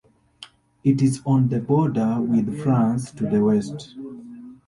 It is on the border with France to the west.